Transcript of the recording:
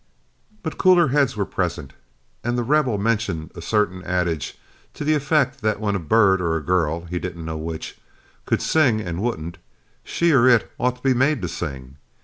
But cooler heads were present, and The Rebel mentioned a certain adage, to the effect that when a bird or a girl, he didn't know which, could sing and wouldn't, she or it ought to be made to sing.